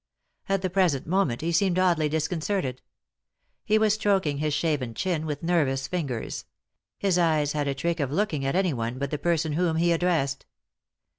At the present moment he seemed oddly disconcerted. He was stroking his shaven chin with nervous fingers ; his eyes had a trick of looking at anyone but the person whom he addressed.